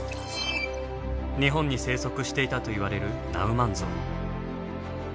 日本に生息していたといわれるナウマンゾウ。